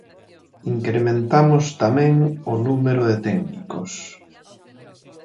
Incrementamos tamén o número de técnicos.